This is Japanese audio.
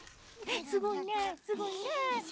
すごいねすごいね。